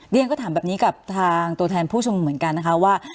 เรียนก็ถามแบบนี้กับทางตัวแทนผู้ชมนุมเหมือนกันนะคะว่า